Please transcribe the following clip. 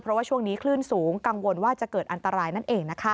เพราะว่าช่วงนี้คลื่นสูงกังวลว่าจะเกิดอันตรายนั่นเองนะคะ